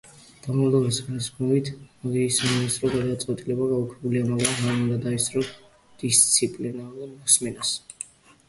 დამბლდორის ძალისხმევით, მაგიის სამინისტროს გადაწყვეტილება გაუქმებულია, მაგრამ ჰარი უნდა დაესწროს დისციპლინარულ მოსმენას.